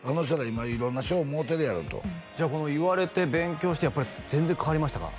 今色んな賞もろうてるやろと言われて勉強してやっぱり全然変わりましたか？